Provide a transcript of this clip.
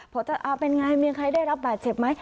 พอจะเป็นอย่างไรมีใครได้รับบาทเฉพมั้ย